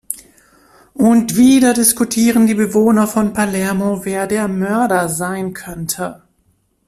Und wieder diskutieren die Bewohner von Palermo, wer der Mörder sein könnte.